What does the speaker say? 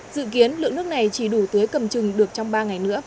dự kiến lượng nước này chỉ đủ tưới cầm chừng được trong ba ngày nữa